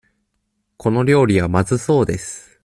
この料理はまずそうです。